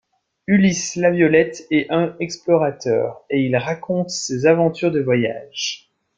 Ulysse Laviolette est un explorateur et il raconte ses aventures de voyages.